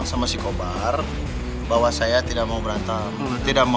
sampai jumpa di video selanjutnya